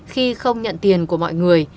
khi không nhận tiền của mọi người